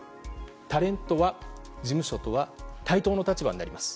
タレントは事務所とは対等の立場になります。